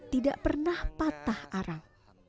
tidak pernah patah arang